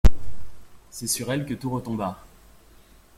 C'est sur elle que tout retomba.